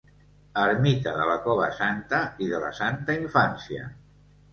Ermita de la Cova Santa i de la Santa Infància.